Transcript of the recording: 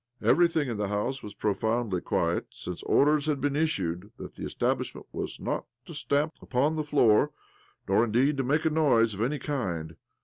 Everything in the house was profoundly quiet, since orders had been issued that the establishment was not to stamp upon the floor, nor, indeed, to make a noise of any kind.